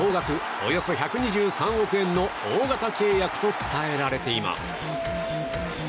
およそ１２３億円の大型契約と伝えられています。